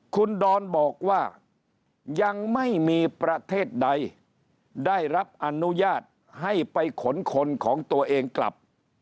คุณดอนบอกว่ายังไม่มีประเทศใดได้รับอนุญาตให้ไปขนคนของตัวเองกลับ